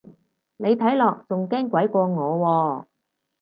你睇落仲驚鬼過我喎